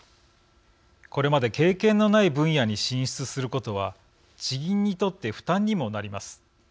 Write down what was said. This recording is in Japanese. これまで経験のない分野に進出することは地銀にとって負担にもなります。